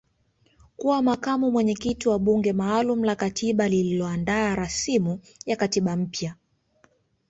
kuwa makamu mwenyekiti wa bunge maalum la katiba lililoandaa rasimu ya katiba mpya